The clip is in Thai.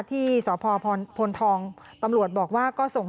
ที่สพพลทองตำรวจบอกว่าก็ส่ง